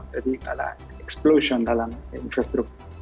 jadi ada explosion dalam infrastruktur